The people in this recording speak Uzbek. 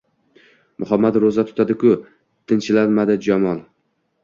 Muhammad ro`za tutadi-ku, tinchlanmadi Jamol